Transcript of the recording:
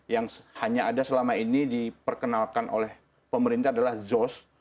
yang hanya ada selama ini diperkenalkan oleh pemerintah adalah zos